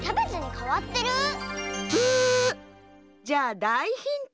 じゃあだいヒント。